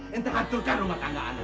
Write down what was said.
saya hancurkan rumah tangga saya